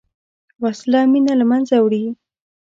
وسله مینه له منځه وړي